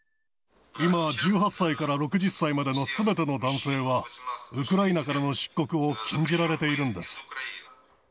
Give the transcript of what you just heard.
今、１８歳から６０歳までのすべての男性は、ウクライナからの出国を禁じられているんです。